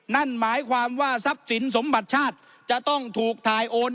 นั่นหมายความว่าทรัพย์สินสมบัติชาติจะต้องถูกถ่ายโอน